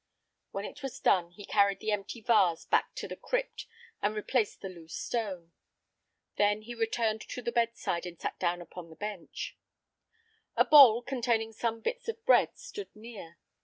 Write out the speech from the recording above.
When it was done, he carried the empty vase back to the crypt and replaced the loose stone. Then he returned to the bedside and sat down upon the bench. A bowl containing some bits of bread stood near.